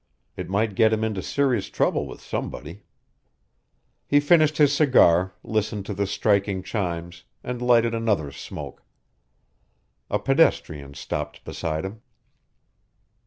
It might get him into serious trouble with somebody. He finished his cigar, listened to the striking chimes, and lighted another smoke. A pedestrian stopped beside him.